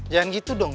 jangan gitu dong ma